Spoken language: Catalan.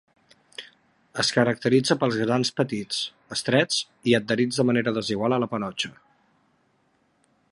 Es caracteritza pels grans petits, estrets i adherits de manera desigual a la panotxa.